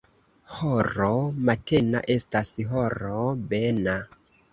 Horo matena estas horo bena.